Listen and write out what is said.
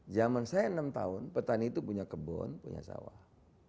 zaman saya enam tahun petani itu punya kebun punya sawah